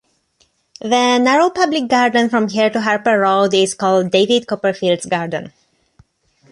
The narrow public garden from here to Harper Road is called David Copperfields Garden.